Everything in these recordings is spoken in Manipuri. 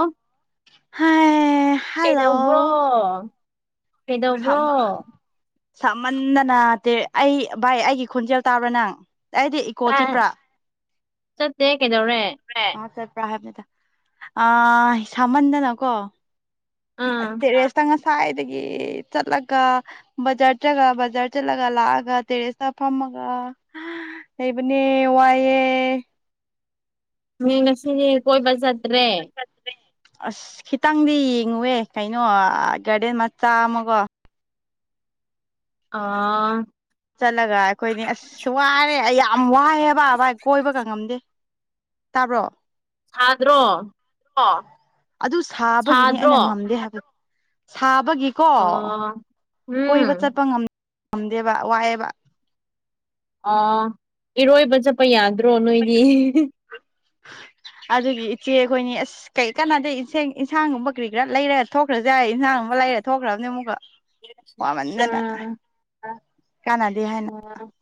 ꯑꯥ ꯍꯥꯏꯌ ꯀꯩꯗꯧꯕ꯭ꯔꯣ ꯁꯝꯃꯑ ꯁꯥꯃꯟꯗꯅ ꯇꯦ ꯑꯩ ꯚꯥꯏ ꯑꯩꯒꯤ ꯈꯣꯟꯖꯦꯜ ꯇꯥꯕ꯭ꯔ ꯅꯪ ꯑꯩꯗꯤ ꯇꯥꯏ ꯆꯞꯇꯦ ꯀꯩꯗꯧꯔꯦ꯫ [unintelligible] ꯆꯞꯄ꯭ꯔꯥ ꯍꯥꯏꯕꯅꯤꯗ ꯑꯥꯏ ꯁꯥꯃꯟꯗꯅ ꯀꯣ ꯑ ꯇꯦꯔꯦꯁꯇ ꯉꯁꯥꯏꯗꯒꯤ ꯆꯠꯂꯒꯥ ꯕꯖꯥꯔ ꯆꯒ ꯕꯖꯥꯔ ꯆꯠꯂꯒꯥ ꯂꯥꯛꯑꯒ ꯇꯔꯦꯁꯇ ꯐꯝꯃꯒ ꯍ ꯍꯩꯕꯅꯦ ꯋꯥꯥꯏꯌꯦ ꯃꯦ ꯉꯁꯤꯗꯤ ꯀꯣꯏꯕ ꯆꯗ꯭ꯔꯦ꯫ ꯑꯁ ꯈꯤꯇꯪꯗꯤ ꯌꯦꯡꯉꯨꯍꯦ ꯀꯩꯅꯣ ꯑ ꯒꯥꯔꯗꯦꯟ ꯃꯆꯥ ꯑꯃꯒꯣ ꯑꯥ ꯆꯠꯂꯒ ꯑꯩꯈꯣꯏꯅꯤ ꯑꯁ ꯋꯥꯔꯦ ꯑꯩ ꯌꯥꯝ ꯋꯥꯏꯌꯦꯕ ꯚꯥꯏ ꯀꯣꯏꯕꯒ ꯉꯝꯗꯦ꯫ ꯇꯥꯕ꯭ꯔꯣ꯫ ꯁꯥꯗ꯭ꯔꯣ꯫ ꯑꯣ ꯑꯗꯨ ꯁꯥꯕꯒꯤꯅꯦ ꯑꯩꯅ ꯉꯝꯗꯦ ꯍꯥꯏꯕꯗꯨ ꯁꯥꯕꯒꯤ꯫ ꯀꯣ ꯀꯣꯏꯕ ꯆꯠꯄ ꯉꯝ ꯉꯝꯗꯦꯕ ꯋꯥꯏꯌꯦꯕ꯫ ꯑꯥ ꯏꯔꯣꯏꯕ ꯆꯠꯄ ꯌꯥꯗ꯭ꯔꯣ ꯅꯣꯏꯗꯤ ꯍꯤ꯫ ꯑꯗꯨꯒꯤ ꯏꯆꯦ ꯈꯣꯏꯅꯤ ꯑꯁ ꯀꯩ ꯀꯟꯅꯥꯗꯦ ꯏꯟꯁꯦꯡ ꯏꯟꯁꯥꯡꯒꯨꯝꯕ ꯀ꯭ꯔꯤ ꯀ꯭ꯔꯥ ꯂꯩꯔꯒ ꯊꯣꯛꯈ꯭ꯔꯁꯦ ꯑꯥꯏ ꯏꯟꯁꯥꯡꯒꯨꯝꯕ ꯂꯩꯔ ꯊꯣꯛꯈ꯭ꯔꯝꯅꯤ ꯑꯃꯨꯛꯀ꯫ ꯋꯥꯃꯟꯗꯅ ꯀꯥꯅꯗꯦ [unintelligible]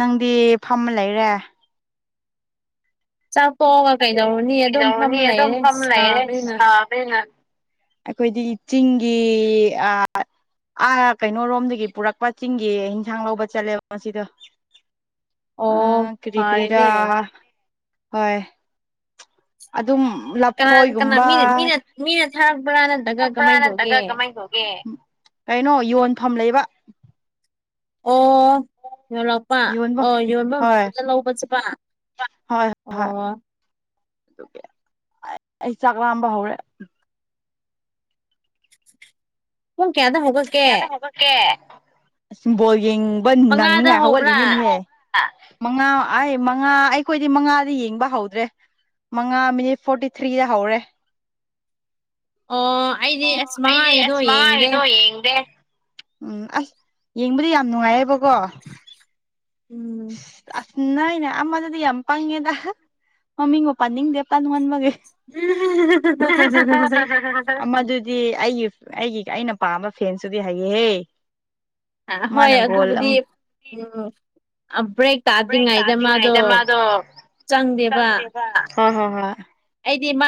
ꯅꯪꯗꯤ ꯐꯝꯃ ꯂꯩꯔꯦ꯫ ꯆꯥꯛ ꯇꯣꯛꯑꯒ ꯀꯩꯗꯧꯔꯨꯅꯤ ꯑꯗꯨꯝ ꯐꯝ ꯂꯩꯔꯦ ꯁꯥꯕꯅꯤꯅ꯫ ꯅ ꯑꯩꯈꯣꯏꯗꯤ ꯆꯤꯡꯒꯤ ꯑꯥ ꯑꯥ ꯀꯩꯅꯣꯔꯣꯝꯗꯒꯤ ꯄꯨꯔꯛꯄ ꯆꯤꯡꯒꯤ ꯏꯟꯁꯥꯡ ꯂꯧꯕ ꯆꯠꯂꯦꯕ ꯉꯁꯤꯗꯨ꯫ ꯑ ꯀꯔꯤ ꯀꯔꯤꯔ ꯍꯣꯏ ꯑꯗꯨꯝ ꯂꯞꯐꯣꯏꯒꯨꯝꯕ ꯑꯛꯄ꯭ꯔꯥ ꯅꯠꯇ꯭ꯔꯒ ꯀꯃꯥꯏꯟ ꯇꯧ ꯒꯦ ꯀꯩꯅꯣ ꯌꯣꯟꯐꯝ ꯂꯩꯕ꯫ ꯑꯣ ꯌꯣꯂꯞ ꯄꯥ ꯑꯣ ꯌꯣꯕ ꯐꯝꯗ ꯂꯧꯕ ꯆꯠꯄꯥ ꯑꯣ꯫ ꯑ ꯑꯩ ꯆꯥꯛ ꯂꯥꯝꯕ ꯍꯧꯔꯦ꯫ [inaudible] ꯄꯨꯡ ꯀ꯭ꯌꯥꯗ ꯍꯧ ꯀ꯭ꯌꯥꯗ ꯍꯧꯒꯠꯀꯦ ꯕꯣꯜ ꯌꯦꯡꯕ ꯅꯪꯅꯤꯉꯥꯏ ꯍꯧꯒꯠꯂꯤꯅꯤꯅꯦ꯫ ꯃꯉꯥ ꯑꯥꯏ ꯃꯉꯥ ꯑꯩꯈꯣꯏꯗꯤ ꯃꯉꯥꯗꯩ ꯌꯦꯡꯕ ꯍꯧꯗ꯭ꯔꯦ꯫ ꯃꯉꯥ ꯃꯤꯅꯤꯠ ꯐꯣꯔꯇꯤ ꯊ꯭ꯔꯤꯗ ꯍꯧꯔꯦ꯫ ꯑꯣ꯫ ꯑꯣ ꯑꯩꯗꯤ ꯑꯁ ꯃꯉꯥꯒꯤꯗꯣ ꯌꯦꯡꯗꯦ꯫ ꯎꯝ ꯑꯥꯁ ꯌꯦꯡꯕꯗꯤ ꯌꯥꯝ ꯅꯨꯡꯉꯥꯏꯌꯦꯕꯀꯣ ꯎꯝ꯫ ꯑꯥꯁ ꯅꯣꯏꯅ ꯑꯃꯗꯨꯗꯤ ꯌꯥꯝ ꯄꯪꯉꯦꯗ ꯍ ꯃꯃꯤꯡꯕꯨ ꯄꯥꯅꯤꯡꯗꯦ ꯄꯪꯃꯟꯕꯒꯤ꯫ ꯎ ꯃꯗꯨꯗꯤ ꯑꯩꯒꯤ ꯑꯩꯒꯤ ꯑꯩꯅ ꯄꯥꯝꯕ ꯐꯦꯟꯁꯨꯗꯤ ꯍꯩꯌꯦꯍꯦ ꯑ ꯍꯣꯏ ꯑꯗꯨꯕꯨꯗꯤ ꯎꯝ ꯕ꯭ꯔꯦꯛ ꯇꯥꯑꯗ꯭ꯔꯤꯉꯩꯗ ꯃꯥꯗꯣ ꯆꯪꯗꯦꯕ ꯍꯣꯏ ꯍꯣ ꯍꯣꯏ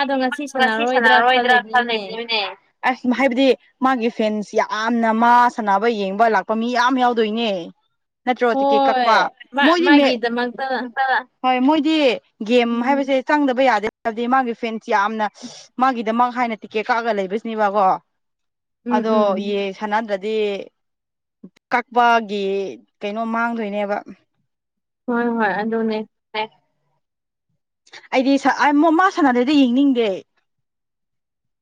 ꯑꯩꯗꯤ ꯃꯥ ꯉꯁꯤ ꯁꯥꯟꯅꯔꯔꯣꯏꯗ꯭ꯔꯥ ꯏ ꯂꯩꯕꯅꯤꯕꯅꯦ ꯑꯁ ꯍꯥꯏꯕꯗꯤ ꯃꯥꯒꯤ ꯐꯦꯟꯁ ꯌꯥꯝꯅ ꯃꯥ ꯁꯥꯟꯅꯕ ꯌꯦꯡꯕ ꯂꯥꯛꯄ ꯃꯤ ꯌꯥꯝ ꯌꯥꯎꯗꯣꯏꯅꯦ ꯅꯠꯇ꯭ꯔꯣ ꯇꯤꯀꯦꯠ ꯀꯛꯄ ꯃꯣꯏꯗꯤ ꯃ ꯍꯣꯏ ꯃꯣꯏꯗꯤ ꯒꯦꯝ ꯍꯥꯏꯕꯁꯦ ꯆꯪꯗꯕ ꯌꯥꯗꯦ ꯌꯥꯗꯤ ꯃꯥꯒꯤ ꯐꯦꯟꯁꯤ ꯌꯥꯝꯅ ꯃꯥꯒꯤꯗꯃꯛ ꯍꯥꯏꯅ ꯇꯤꯛꯀꯦꯠ ꯀꯛꯒ ꯂꯩꯕꯁꯤꯅꯦꯕꯀꯣ ꯑꯗꯣ ꯌꯦ ꯁꯥꯟꯅꯗ꯭ꯔꯗꯤ ꯀꯛꯄꯒꯤ ꯀꯩꯅꯣ ꯃꯥꯡꯗꯣꯏꯅꯦꯕ ꯍꯣꯏ ꯍꯣꯏ ꯑꯗꯨꯅꯦ ꯑꯩꯗꯤ ꯃꯃꯥ ꯁꯥꯟꯅꯗꯩꯗꯤ ꯌꯦꯡꯅꯤꯡꯗꯦ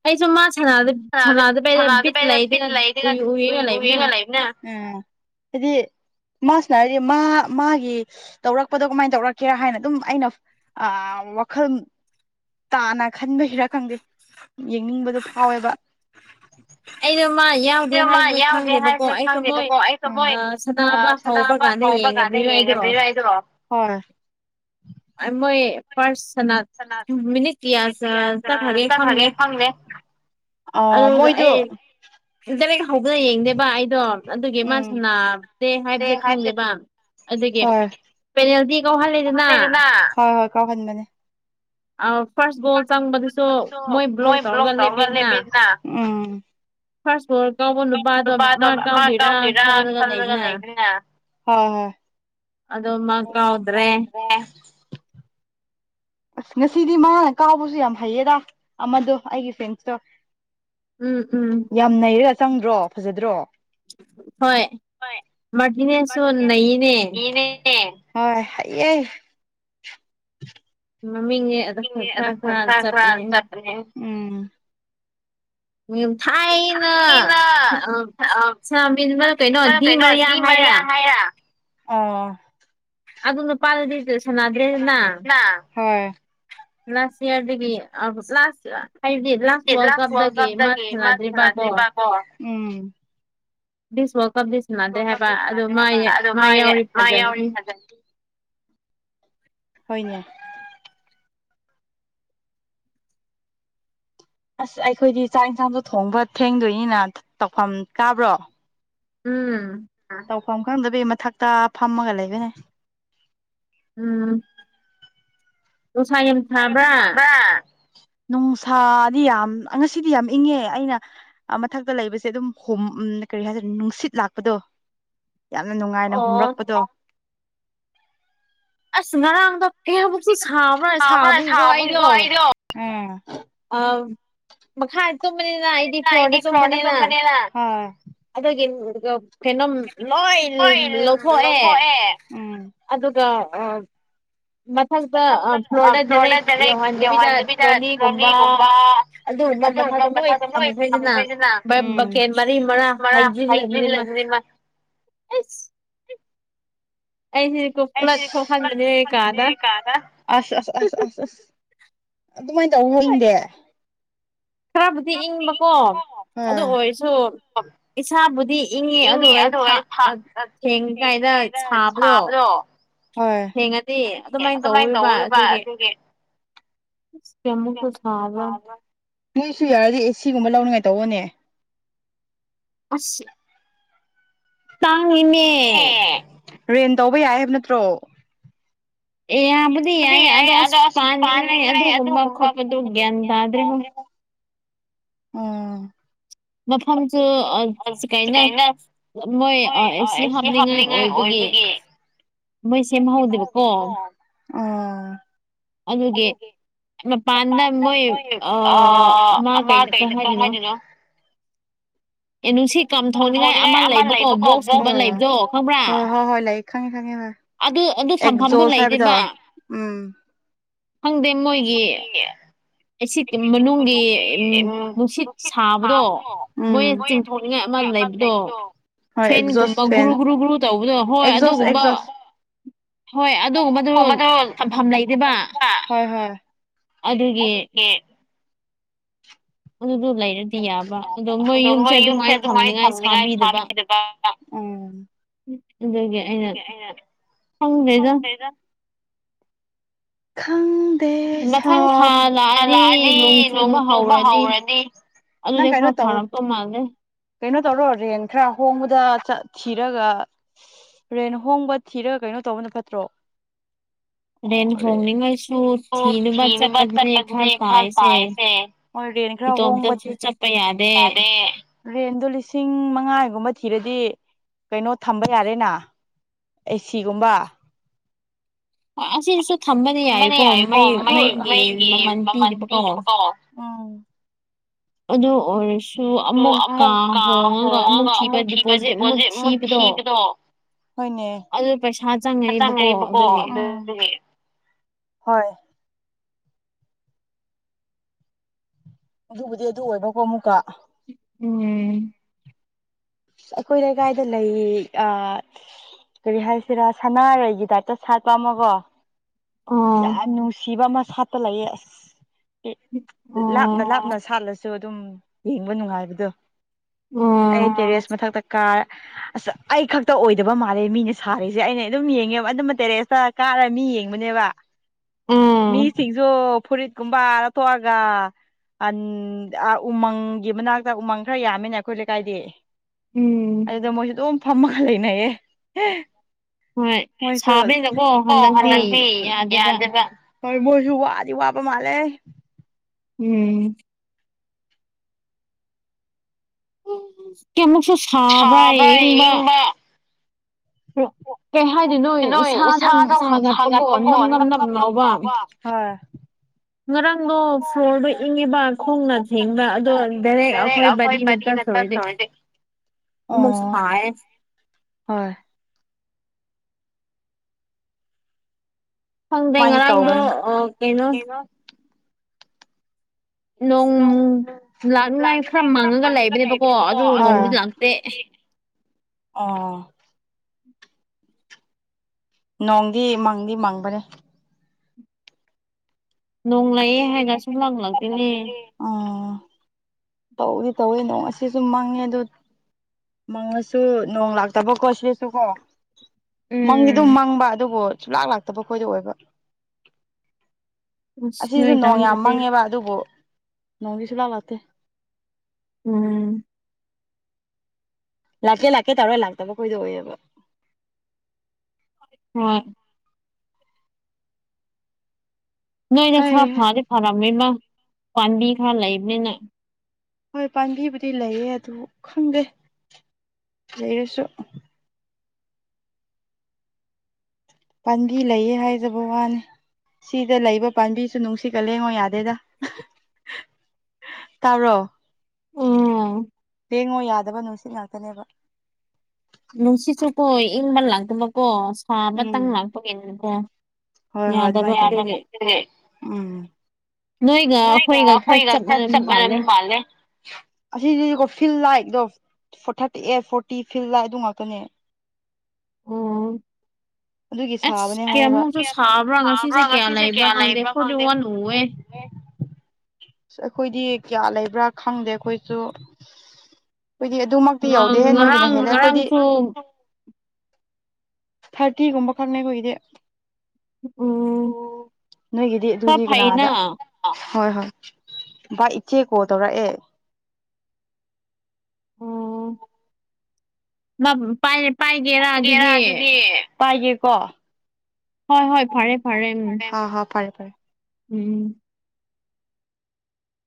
ꯑꯩꯁꯨ ꯃꯥ ꯁꯥꯟꯅꯗꯦ ꯍ ꯍꯅꯥꯗ ꯄ ꯂꯩꯗ ꯂꯩꯥꯏꯕꯅꯦ ꯑꯗꯨꯗꯤ ꯃꯥꯁꯤꯅꯔꯗꯤ ꯃꯥ ꯃꯥꯒꯤ ꯇꯧꯔꯛꯄꯗꯣ ꯀꯃꯥꯏꯅ ꯇꯧꯔꯛꯀꯦꯔꯥ ꯍꯥꯏꯅ ꯑꯗꯨꯝ ꯑꯩꯅ ꯑ ꯋꯥꯈꯜ ꯇꯥꯅ ꯈꯟꯕ ꯍꯤꯔ ꯈꯪꯗꯦ ꯌꯦꯡꯅꯤꯡꯕꯗꯨꯣ ꯐꯥꯎꯋꯦꯕ ꯑꯩꯗ ꯃꯥ ꯌꯥꯝ ꯈꯪꯗꯦ ꯍꯥꯏꯕꯅ ꯈꯪꯗꯦꯕꯀꯣ ꯑꯩꯁꯨꯣ ꯃꯣꯏ ꯁꯥꯟꯅꯕ ꯍꯧꯕ ꯀꯥꯟꯅ ꯌꯦꯡꯉꯦꯕ ꯗ ꯌꯦꯔ ꯋꯥ ꯃꯣꯏ ꯄꯥꯔꯁ ꯁꯅ ꯃꯤꯅꯤꯠ ꯀꯌꯥꯁ ꯆꯠꯂꯒꯦ ꯐꯪꯃꯦ ꯑꯣ ꯃꯣꯏꯁꯨ ꯏꯟꯇꯔꯦꯛ ꯍꯧꯗꯨꯅ ꯌꯦꯡꯗꯦꯕ ꯑꯩꯗꯣ ꯑꯗꯨꯒꯤ ꯃꯥꯁꯨꯅꯥ ꯗꯦ ꯍꯥꯏꯕꯁꯦ ꯈꯪꯗꯦꯕ ꯑꯗꯨꯒꯤ ꯄꯦꯅꯦꯜꯇꯤ ꯀꯧꯍꯜꯂꯤꯗꯅ ꯍꯣꯏ ꯍꯣꯏ ꯀ ꯍ ꯃꯅꯦ ꯐꯥꯔꯁ ꯒꯣꯜ ꯆꯪꯕꯗꯨꯁꯨ ꯃꯣꯏ ꯕ꯭ꯂꯣꯛ ꯇꯧꯔꯒ ꯂꯦꯞꯄꯤꯅ ꯐꯥꯁ ꯐꯣꯔ ꯀꯥꯎꯕ ꯅꯨꯄꯥꯗꯣ ꯃꯥ ꯀꯥꯎꯗꯣꯏꯔꯥ ꯈꯜꯂꯒ ꯂꯩꯕꯅꯦ ꯑꯗꯣꯃ ꯀꯥꯎꯗ꯭ꯔꯦ ꯑꯁ ꯉꯁꯤꯗꯤ ꯃꯥꯅ ꯀꯥꯎꯕꯁꯨ ꯌꯥꯝ ꯍꯩꯌꯦꯔ ꯑꯃꯗꯣ ꯑꯩꯒꯤ ꯐ꯭ꯔꯦꯟꯁꯇꯣ ꯎꯝ ꯎꯝ ꯌꯥꯝ ꯅꯩꯔꯦ ꯆꯪꯗ꯭ꯔꯣ ꯐꯖꯗ꯭ꯔꯣ ꯏꯅꯦ ꯍꯣꯏ ꯍꯥꯏꯌꯦꯦ ꯃꯃꯤꯡꯉ ꯑꯗ ꯈꯔ ꯈꯔ ꯈꯔ ꯆꯠꯄꯅꯦ ꯊꯅ ꯑ ꯀꯩꯅꯣ ꯗꯤ ꯃꯔꯤꯌꯥꯟ ꯍꯥꯏꯔ ꯑꯣ ꯑꯗꯨꯝꯅ ꯄꯥꯜꯂꯗꯤ ꯁꯥꯟꯅꯗ꯭ꯔꯦꯗꯅ ꯂꯁꯤ ꯌꯥꯗꯕꯤ ꯑ ꯂꯁꯕ ꯍꯥꯏꯗꯤ ꯂꯥꯁ ꯋꯥꯔꯜ ꯀꯞꯇꯗꯒꯤ ꯃꯥ ꯁꯥꯟꯅꯗ꯭ꯔꯤꯕꯀꯣ ꯎꯝ ꯗꯤꯁ ꯋꯥꯔꯜ ꯀꯞꯗꯤ ꯦ ꯍꯥꯏꯕ ꯑꯣ ꯃꯥ ꯌꯥꯎꯔꯤ ꯐꯖ ꯍꯣꯏꯅꯦ ꯑꯁ ꯑꯩꯈꯣꯏꯗꯤ ꯆꯥꯛ ꯌꯦꯟꯁꯥꯡꯗꯣ ꯊꯣꯡꯕ ꯊꯦꯡꯗꯣꯏꯅꯤꯅ ꯇꯧꯐꯝ ꯇꯥꯕ꯭ꯔꯣ ꯎꯝ ꯇꯧꯐꯝ ꯈꯪꯗꯕꯒꯤ ꯃꯊꯛꯇ ꯐꯝꯃꯒ ꯂꯩꯕꯅꯦ ꯎꯝ ꯁꯥꯏ ꯅꯨꯡꯁꯥꯗꯤ ꯌꯥꯝ ꯉꯁꯤꯗꯤ ꯌꯥꯝ ꯏꯪꯉꯦ ꯑꯩꯅ ꯃꯊꯛꯇ ꯂꯩꯕꯁꯦ ꯑꯗꯨꯝ ꯍ ꯀꯔꯤ ꯍꯥꯏꯇꯥꯔꯦ ꯅꯨꯡꯁꯤꯠ ꯂꯥꯛꯄꯗꯣ ꯌꯥꯝꯅ ꯅꯨꯡꯉꯥꯏꯅ ꯍꯨꯝꯔꯛꯄꯗꯣ ꯑꯁ ꯉꯔꯥꯡꯗꯣ ꯀꯦ ꯑꯃꯨꯛꯁꯨ ꯁꯥꯕ꯭ꯔꯥ ꯁꯥꯕꯒꯤꯀꯣ ꯑꯩꯗꯣ ꯑꯝ ꯑ ꯃꯈꯥ ꯇꯨꯝꯕꯅꯤꯅ ꯑꯩꯗꯤ ꯐ꯭ꯂꯣꯔꯗ ꯇꯨꯝꯕꯅꯤꯅ ꯑꯗꯨꯒꯤ ꯀꯩꯅꯣꯝ ꯂꯣꯏ ꯂꯧꯊꯣꯛꯑꯦ ꯑꯗꯨꯒ ꯑ ꯃꯊꯪꯛꯇ ꯐ꯭ꯂꯣꯔꯗ ꯖꯔꯦꯛ ꯌꯧꯍꯟꯗꯕꯤꯗ ꯐꯣꯅꯤ ꯔꯅꯤꯒꯨꯝꯕ ꯑꯗꯨꯒꯨꯝꯕ ꯃꯊꯛꯇ ꯂꯣꯏ ꯊꯝꯃꯨꯈꯩꯗꯅ ꯕꯀꯦꯠ ꯃꯔꯤ ꯃꯥ ꯍꯩꯖꯤꯜꯂꯕꯅꯤ ꯑꯦꯁ ꯑꯩꯁꯤꯅꯦꯀꯣ ꯄꯨꯂꯠ ꯊꯣꯛꯍꯟꯕꯅꯦ ꯀꯩꯀꯥꯗ ꯑꯗꯨꯃꯥꯏꯅ ꯇꯧ ꯍꯡꯗꯦ ꯈꯔꯕꯨꯗꯤ ꯏꯪꯕꯀꯣ ꯑꯗꯨ ꯑꯣꯏꯔꯁꯨ ꯏꯁꯥꯕꯨꯗꯤ ꯏꯪꯉꯦ ꯑꯗꯨꯒꯩꯅ ꯊꯦꯡꯉ ꯀꯥꯏꯅ ꯁꯥꯕꯗꯣ ꯊꯦꯡꯉꯗꯤ ꯑꯗꯨꯃꯥꯏꯅ ꯇꯧꯔꯤꯕ ꯑꯗꯨꯒꯤ [inaudible] ꯅꯣꯏꯁꯨ ꯌꯥꯔꯗꯤ ꯑꯦꯁꯤꯒꯨꯝꯕ ꯂꯧꯅꯤꯡꯉꯥꯏ ꯇꯧꯕꯅꯦ ꯄ ꯔꯦꯟ ꯇꯧꯕ ꯌꯥꯏ ꯍꯥꯏꯕ ꯅꯠꯇ꯭ꯔꯣ ꯑꯦ ꯌꯥꯝꯕ ꯄꯗꯤ ꯑꯗꯣꯁ ꯄꯅꯤꯡ ꯑꯗꯨꯣꯒꯄꯗꯤ꯭ꯔꯦ ꯎꯝ ꯃꯐꯝꯁꯨ ꯀꯥꯏꯅ ꯃꯣꯏ ꯑꯦ ꯁꯤ ꯍꯥꯞꯅꯤꯡꯉꯥꯏ ꯑꯣꯏꯕꯒꯤ ꯃꯣꯏ ꯁꯦꯝꯍ ꯍꯧꯗꯦꯕꯀꯣ ꯑꯣ ꯑꯗꯨꯒꯤ ꯃꯄꯥꯟꯗ ꯃꯣꯏ ꯑ ꯑꯃ ꯀꯩꯅꯣ ꯀꯩ ꯍꯥꯏꯔꯤꯅꯣ [inaudible] ꯑꯦ ꯅꯨꯡꯁꯤ ꯀꯝ ꯊꯧꯅꯤꯉꯥꯏ ꯑꯃ ꯂꯩꯕꯀꯣ ꯕꯣꯛꯁꯀꯨꯝꯕ ꯂꯩꯕꯗꯣ ꯈꯪꯕ꯭ꯔꯥ ꯑꯗꯨ ꯑꯗꯨ ꯁꯝꯐꯝꯗꯨ ꯂꯩꯗꯦꯕ ꯈꯪꯗꯦ ꯃꯣꯏꯒꯤ ꯑꯩꯁꯤ ꯃꯅꯨꯡꯒꯤ ꯅꯨꯡꯁꯤꯠ ꯁꯥꯕꯗꯣ ꯃꯣꯏ ꯆꯤꯡꯊꯣꯛꯅꯤꯡꯉꯥꯏ ꯑꯃ ꯂꯩꯕꯗꯣ ꯐꯦꯟꯒꯨꯝꯕ ꯒ꯭ꯔꯨ ꯒ꯭ꯔꯨ ꯒ꯭ꯔꯨ ꯇꯧꯕꯗꯣ ꯍꯣꯏ ꯑꯗꯨꯒꯨꯝꯕ ꯍꯣꯏ ꯑꯗꯨꯒꯨꯝꯕꯗꯨ ꯊꯝꯐꯝ ꯂꯩꯗꯦꯕ ꯑꯗꯨꯒꯤ ꯑꯣꯗꯨꯗꯨ ꯂꯩꯔ ꯗꯤ ꯌꯥꯕ ꯑꯗꯣ ꯃꯣꯏ ꯌꯨꯝꯁꯦ ꯑꯗꯨꯃꯥꯏꯅ ꯊꯝꯅꯤꯉꯥꯏ ꯁꯥꯕꯤꯗꯕ ꯑꯗꯨꯗꯒꯤ ꯑꯩꯅ ꯈꯪꯗꯦꯗ ꯈꯪꯗꯦ ꯁꯥ ꯂꯛꯑꯗꯤ ꯅꯣꯡ ꯆꯨꯕ ꯍꯧꯔꯅꯤ ꯑꯗꯨꯗꯤ ꯈꯔ ꯐꯥꯔꯛꯇꯧ ꯃꯥꯜꯂꯦ ꯀꯩꯅꯣ ꯇꯧꯔꯣ ꯔꯦꯟ ꯈꯔ ꯍꯣꯡꯕꯗ ꯊꯤꯔꯒ ꯔꯦꯟ ꯍꯣꯡꯕ ꯊꯤꯔꯒ ꯀꯩꯅꯣ ꯇꯧꯕꯅ ꯐꯠꯇ꯭ꯔꯣ [inaudible] ꯔꯦꯟ ꯍꯣꯡꯅꯤꯡꯉꯥꯏꯁꯨ ꯊꯤꯕ ꯆꯠꯄꯅꯦ ꯈꯔ ꯇꯥꯏꯁꯦ ꯏꯇꯣꯝꯇꯁꯨ ꯆꯠꯄ ꯌꯥꯗꯦ ꯔꯦꯟꯗꯣ ꯂꯤꯁꯤꯡ ꯃꯉꯥꯒꯨꯝꯕ ꯊꯤꯔꯗꯤ ꯀꯩꯅꯣ ꯊꯝꯕ ꯌꯥꯔꯦꯅꯥ ꯑꯦꯁꯤꯒꯨꯝꯕ ꯑꯁꯤꯁꯨ ꯊꯝꯕꯗꯤ ꯌꯥꯏꯀꯣ ꯃꯩ ꯃꯩꯒꯤ ꯃꯃꯜ ꯄꯤꯅꯦꯕꯀꯣ ꯑꯗꯣ ꯑꯣꯏꯔꯁ ꯁꯨ ꯑꯃꯨꯛꯀ ꯍꯣꯡꯉꯒ ꯑꯃꯨꯛ ꯊꯤꯕ ꯗꯤꯄꯣꯖꯤꯠ ꯑꯃꯨꯛ ꯊꯤꯕꯗꯣ ꯑꯗꯨ ꯄꯩꯁꯥ ꯆꯪꯉꯏꯕꯀꯣ ꯑꯗꯨꯒꯤ ꯍꯣꯏ ꯑꯗꯨꯕꯨꯗꯤ ꯑꯗꯨ ꯑꯣꯏꯕꯀꯣ ꯑꯃꯨꯛꯀ ꯎꯝ ꯑꯩꯈꯣꯏ ꯂꯩꯀꯥꯏꯗ ꯂꯩ ꯑꯥ ꯀꯔꯤ ꯍꯥꯏꯁꯤꯔꯥ ꯁꯅꯥꯔꯩꯒꯤ ꯇꯥꯏꯞꯇ ꯁꯥꯠꯄ ꯑꯃꯒ ꯌꯥꯝ ꯅꯨꯡꯁꯤꯕ ꯑꯃ ꯁꯥꯠꯇ ꯂꯩꯌꯦ ꯑꯁ ꯂꯥꯞꯅ ꯂꯥꯞꯅ ꯁꯥꯠꯂꯁꯨ ꯑꯗꯨꯝ ꯌꯦꯡꯕ ꯅꯨꯡꯉꯥꯏꯕꯗꯣ ꯑꯩ ꯇꯦꯔꯦꯁ ꯃꯊꯛꯇ ꯀꯥ ꯑꯁ ꯑꯩ ꯈꯛꯇ ꯑꯣꯏꯗꯕ ꯃꯥꯜꯂꯦ ꯃꯤꯅ ꯁꯥꯔꯤꯁꯦ ꯑꯩꯅ ꯑꯗꯨꯝ ꯌꯦꯡꯉꯦꯕ ꯑꯗꯨꯝꯕ ꯇꯦꯔꯦꯁꯇ ꯀꯥꯔ ꯃꯤ ꯌꯦꯡꯕꯅꯦꯕ ꯃꯤꯁꯤꯡꯁꯨ ꯐꯨꯔꯤꯠ ꯀꯨꯝꯕꯥꯗ ꯊꯣꯛꯑꯒ [unintelligible] ꯎꯃꯪꯒꯤ ꯃꯅꯥꯛꯇ ꯎꯃꯪ ꯈꯔ ꯌꯥꯝꯃꯤꯅꯦ ꯑꯩꯈꯣꯏ ꯂꯩꯀꯥꯏꯗꯤ ꯎꯝ ꯑꯗꯨ ꯃꯣꯏꯁꯨ ꯑꯗꯨꯝ ꯐꯝꯃꯒ ꯂꯩꯅꯩꯌꯦ ꯍꯣꯏꯁꯨ ꯑꯣ ꯍꯟꯗꯛꯇꯤ ꯌꯥꯗꯕ ꯍꯣꯏ ꯃꯣꯏꯁꯨ ꯋꯥꯗꯤ ꯋꯥꯕ ꯃꯥꯜꯂꯦ ꯎꯝ ꯀꯌꯥꯃꯨꯛꯁꯨ ꯁꯥꯕ꯭ꯔꯥ ꯌꯦꯡꯕ ꯅꯣꯏ ꯏꯁꯥ ꯑꯗꯨꯝ ꯁꯥꯒꯠꯄꯀꯣ ꯅꯝ ꯅꯝ ꯅꯝ ꯂꯥꯎꯕ ꯉꯔꯥꯡꯗꯣ ꯐ꯭ꯂꯣꯔꯗꯣ ꯏꯪꯉꯦꯕ ꯈꯣꯡꯅ ꯊꯦꯡꯕ ꯑꯗꯣ ꯗꯥꯏꯔꯦꯛ ꯑꯩꯈꯣꯏ ꯕꯗꯤꯅ ꯇꯥꯁꯁꯨꯔꯗꯤ [unintelligible] [unintelligible] ꯍꯣꯏ ꯐꯪꯗꯦ ꯉꯔꯥꯡꯗꯣ ꯑꯥ ꯀꯩꯅꯣ [unintelligible] ꯅꯣꯡ ꯂꯥꯛꯅꯤꯉꯥꯏ ꯈꯔ ꯃꯥꯡꯉꯒ ꯂꯩꯕꯅꯦꯕꯀꯣ [unintelligible] ꯑ ꯅꯣꯡꯗꯤ ꯃꯪꯗꯤ ꯃꯪꯕꯅꯦ ꯅꯣꯡꯂꯛꯑꯦ ꯍꯥꯏꯅ ꯁꯨꯝ ꯂꯪꯂꯪꯂꯛꯇꯣꯏꯅꯦ ꯑꯥ ꯇꯧꯗꯤ ꯇꯧꯋꯤ ꯅꯣꯡ ꯉꯁꯤꯁꯨ ꯃꯪꯉꯦ ꯑꯗꯨ ꯃꯪꯉꯁꯨ ꯅꯣꯡ ꯂꯥꯛꯇꯕꯀꯣ ꯁꯤꯔꯁꯨ ꯀꯣ ꯃꯪꯗꯤ ꯑꯗꯨꯝ ꯃꯪꯕ ꯑꯗꯨꯕꯨ ꯁꯨꯡꯂꯥꯛ ꯂꯥꯛꯇꯕ ꯈꯈꯣꯏꯗ ꯑꯣꯏꯕ ꯑꯁꯤꯁꯨ ꯅꯣꯡ ꯌꯥꯝ ꯃꯪꯉꯦꯕ ꯑꯗꯨꯕꯨ ꯅꯣꯡꯒꯤꯁꯨ ꯂꯥꯛꯂꯛꯇꯦ ꯎꯝ ꯂꯥꯛꯀꯦ ꯂꯥꯛꯀꯦ ꯇꯧꯔ ꯂꯥꯛꯇꯕ ꯀꯣꯏꯗꯧꯑꯦꯕ ꯍꯣꯏ ꯅꯣꯏꯅ ꯈꯔ ꯐꯗꯤ ꯐꯔꯝꯅꯤꯃ ꯄꯥꯝꯕꯤ ꯈꯔ ꯂꯩꯕꯅꯤꯅ ꯍꯣꯏ ꯄꯥꯝꯕꯤꯕꯨꯗꯤ ꯂꯩꯌꯦ ꯑꯗꯨ ꯈꯪꯗꯦ ꯂꯩꯔꯁꯨ ꯄꯥꯟꯕꯤ ꯂꯩꯌꯦ ꯍꯥꯏꯖꯕ ꯋꯥꯅꯤ ꯁꯤꯗ ꯂꯩꯕ ꯄꯥꯝꯕꯤꯁꯨ ꯅꯨꯡꯁꯤ ꯀ ꯂꯦꯡꯉꯣ ꯌꯥꯗꯦꯗ ꯇꯥꯔꯣ ꯌꯦꯦꯡꯉꯣ ꯌꯥꯗꯕ ꯅꯨꯡꯁꯤꯠ ꯉꯥꯛꯇꯅꯦꯕ ꯅꯨꯡꯁꯤꯠꯁꯨ ꯀꯣ ꯏꯪꯕ ꯂꯥꯛꯇꯕꯀꯣ ꯁꯥꯕꯇꯪ ꯂꯥꯛꯄꯒꯤꯅꯀꯣ ꯍꯣꯏ ꯍꯣꯏ ꯑꯗꯨ ꯃꯥꯥꯏ ꯎꯝ ꯅꯣꯏꯒ ꯑꯩꯈꯣꯏꯒ ꯈ ꯆꯞ ꯃꯝ ꯃꯥꯜꯂꯦ ꯑꯁꯤꯁꯤꯗꯤꯀꯣ ꯐꯤꯜ ꯂꯥꯏꯠꯗꯣ ꯊꯥꯔꯇꯤ ꯑꯦ ꯐꯣꯔꯇꯤ ꯐꯤꯜ ꯂꯥꯏꯠ ꯑꯗꯨ ꯉꯥꯛꯇꯅꯦ ꯑꯁ ꯀꯌꯥꯃꯨꯛꯁꯨ ꯁꯥꯕ꯭ꯔꯥ ꯉꯁꯤꯁꯦ ꯀꯌꯥ ꯂꯩꯕ꯭ꯔꯥ ꯈꯪꯗꯦ ꯐꯣꯔꯇꯤ ꯋꯥꯟ ꯎꯑꯦ ꯑ ꯑꯩꯈꯣꯏꯗꯤ ꯀꯌꯥ ꯂꯩꯕ꯭ꯔꯥ ꯈꯪꯗꯦ ꯑꯩꯈꯣꯏꯁꯨ ꯑꯩꯈꯣꯏꯗꯤ ꯑꯗꯨꯃꯛꯇꯤ ꯌꯧꯗꯦꯍꯦ ꯅꯣꯏꯒꯤꯅ ꯍꯦꯜꯂꯦ ꯑꯩꯈꯣꯏꯗꯤ ꯊꯥꯔꯇꯤꯒꯨꯝꯕ ꯈꯛꯅꯦꯈꯣꯏꯗꯤ ꯑꯣ ꯅꯣꯏꯒꯤꯗꯤ ꯑꯗꯨꯗꯤ ꯀꯅꯥꯗ ꯍꯣꯏ ꯍꯣꯏ ꯚꯕꯥꯏ ꯏꯆꯦ ꯀꯣ ꯇꯧꯔꯛꯑꯦ ꯄꯥꯏꯒꯦꯔꯥ ꯑꯗꯨꯗꯤ ꯄꯥꯏꯌꯦꯀꯣ ꯍꯣꯏ ꯍꯣꯏ ꯐꯔꯦ ꯐꯔꯦ ꯎꯝ ꯑꯣ ꯍ ꯄꯔꯦ ꯄꯔꯦ ꯎꯝ